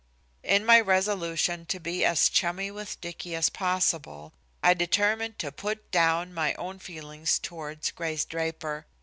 In my resolution to be as chummy with Dicky as possible, I determined to put down my own feelings toward Grace Draper.